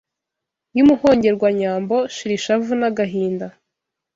Y’Umuhongerwanyambo Shira ishavu n’agahinda